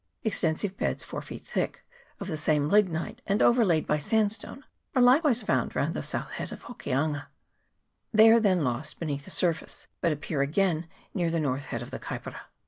Extensive beds, four feet thick, of the same lignite, and overlaid by sandstone, are likewise found round the south head of Hokianga ; they are then lost beneath the surface, but appear again near the north head of the Kaipara.